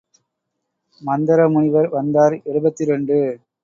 மந்தர முனிவர் வந்தார் எழுபத்திரண்டு.